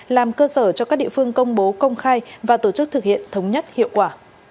làm cơ sở cho các địa phương công bố công khai và tổ chức thực hiện thống nhất hiệu quả